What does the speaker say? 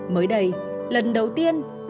mới đây lần đầu tiên